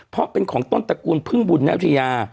เพราะเป็นของต้นตระกูลพึ่งบุญนริยา